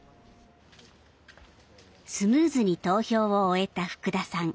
スムーズに投票を終えた福田さん。